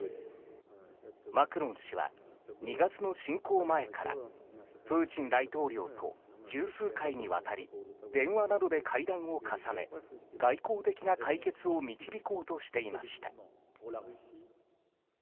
マクロン氏は２月の侵攻前からプーチン大統領と十数回にわたり電話などで会談を重ね外交的な解決を導こうとしていました。